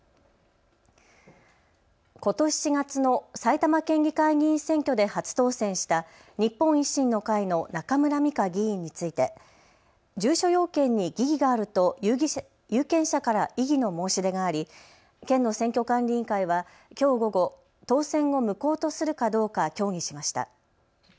ことし４月の埼玉県議会議員選挙で初当選した日本維新の会の中村美香議員について住所要件に疑義があると有権者から異議の申し出があり県の選挙管理委員会はきょう午後、当選を無効とするかどうか協議しました。